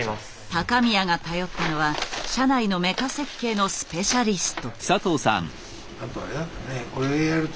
高宮が頼ったのは社内のメカ設計のスペシャリスト。